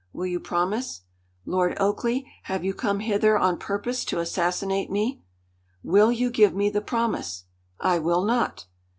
Will you promise?" "Lord Oakleigh, have you come hither on purpose to assassinate me?" "Will you give me the promise?" "I will not!"